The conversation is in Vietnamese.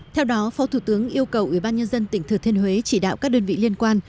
theo đó phó thủ tướng yêu cầu ubnd tỉnh thừa thiên huế chỉ đạo các đơn vị liên quan